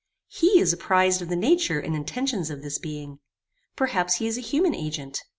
He is apprized of the nature and intentions of this being. Perhaps he is a human agent.